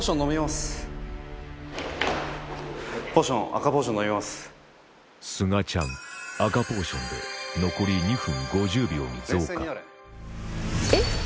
すがちゃん赤ポーションで残り２分５０秒に増加えっ？